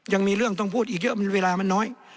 ยังมีเรื่องต้องพูดอีกเยอะเวลามันน้อย